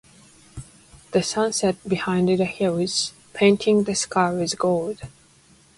The sun set behind the hills, painting the sky with gold.